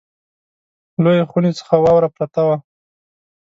لویې خونې څخه واوره پرته وه.